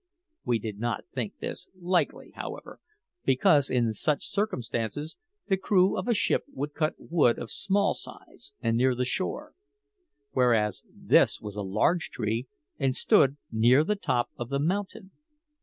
We did not think this likely, however, because, in such circumstances, the crew of a ship would cut wood of small size and near the shore; whereas this was a large tree, and stood near the top of the mountain.